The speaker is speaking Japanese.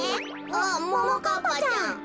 あっももかっぱちゃん。